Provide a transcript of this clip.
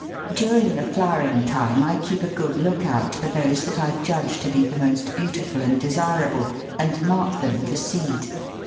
During the flowering time I keep a good look out for those that I judge to be the most beautiful and desirable, and mark them for seed.